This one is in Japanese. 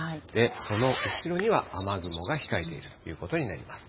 その後ろには雨雲が控えているということになります。